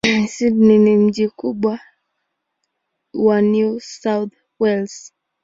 Sydney ni mji mkubwa wa New South Wales.